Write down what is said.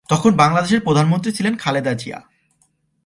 তখন বাংলাদেশের প্রধানমন্ত্রী ছিলেন খালেদা জিয়া।